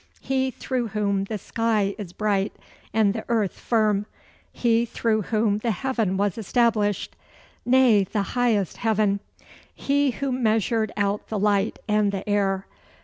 "He through whom the sky is bright and the earth firm; he through whom the heaven was established, nay, the highest heaven; he who measured out the light and the air.